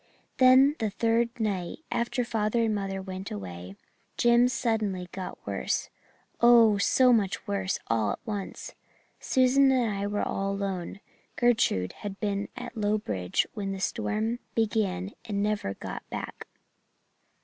"Then, the third night after father and mother went away, Jims suddenly got worse oh, so much worse all at once. Susan and I were all alone. Gertrude had been at Lowbridge when the storm began and had never got back.